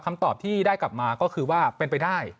คำตอบที่ได้กลับมาก็คือว่าเป็นไปได้